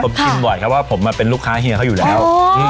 ผมกินบ่อยครับว่าผมเป็นลูกค้าเฮียเขาอยู่แล้ว